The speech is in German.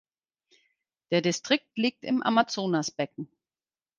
Der Distrikt liegt im Amazonasbecken.